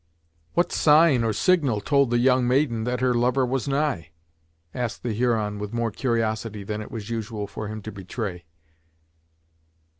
"What sign, or signal, told the young maiden that her lover was nigh?" asked the Huron with more curiosity than it was usual for him to betray.